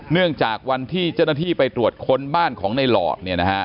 เนื่องจากวันที่เจ้าหน้าที่ไปตรวจค้นบ้านของในหลอด